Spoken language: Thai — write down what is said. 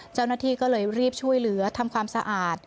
เจ้าหน้าที่ก็เลยรีบช่วยเหลือทำความสะอาด